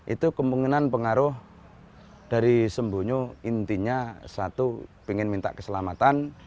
itu kemungkinan pengaruh dari sembunyi intinya satu ingin minta keselamatan